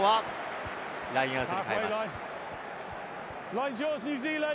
ラインアウトに変えます。